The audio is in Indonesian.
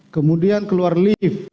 kemudian keluar lift